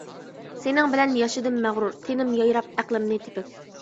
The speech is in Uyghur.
سېنىڭ بىلەن ياشىدىم مەغرۇر، تىنىم يايراپ، ئەقلىمنى تېپىپ.